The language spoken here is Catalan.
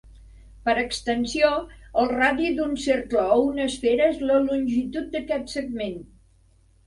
Per extensió, el radi d'un cercle o una esfera és la longitud d'aquest segment.